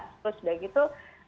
terus udah gitu